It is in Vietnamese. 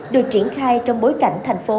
được triển khai trong bối cảnh thành phố